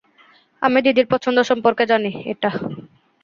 আমি দিদির পছন্দ সম্পর্কে জানি, এটা।